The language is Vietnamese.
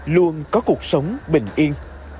luôn có cuộc sống bình yên